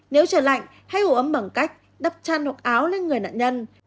nếu trời lạnh hãy hủ ấm bằng cách đắp chăn hoặc áo lên người nạn nhân